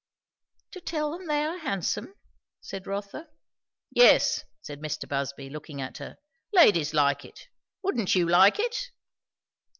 "To tell them they are handsome?" said Rotha. "Yes," said Mr. Busby looking at her. "Ladies like it. Wouldn't you like it?"